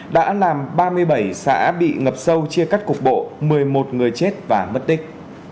đã làm ba mươi bảy xã bị ngập sâu chia cắt cục bộ một mươi một người chết và mất tích